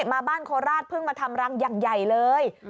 มาบ้านโคราชเพิ่งมาทำรังอย่างใหญ่เลย